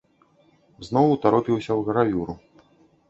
Зноў утаропіўся ў гравюру.